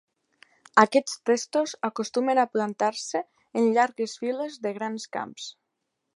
Aquests testos acostumen a plantar-se en llargues files de grans camps.